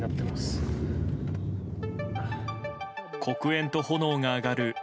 黒煙と炎が上がる